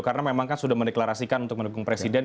karena memang kan sudah meneklarasikan untuk mendukung presiden